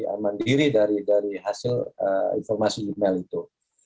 ee mandiri dari dari hasil ee informasi email itu